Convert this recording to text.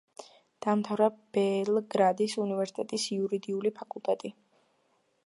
დაამთავრა ბელგრადის უნივერსიტეტის იურიდიული ფაკულტეტი.